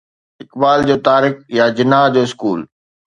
اقبال جو طارق يا جناح جو اسڪول